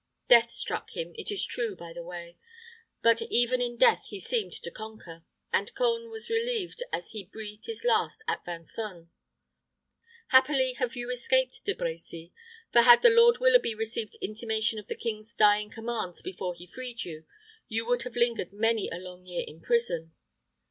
Death struck him, it is true, by the way; but even in death he seemed to conquer, and Cone was relieved as he breathed his last at Vincennes. Happily have you escaped, De Brecy; for had the Lord Willoughby received intimation of the king's dying commands before he freed you, you would have lingered many a long year in prison.